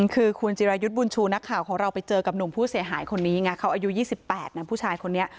คือคุณจิรายุทธ์บุญชูนักข่าวของเราไปเจอกับหนุ่มผู้เสียหายคนนี้ไงเขาอายุ๒๘นะผู้ชายคนนี้